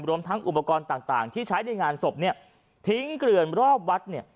รวมทั้งอุปกรณ์ต่างที่ใช้ในงานศพเนี่ยทิ้งเกลื่อนรอบวัดเนี่ย